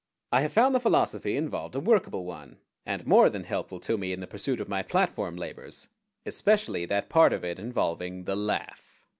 I have found the philosophy involved a workable one, and more than helpful to me in the pursuit of my platform labors, especially that part of it involving the "laugh."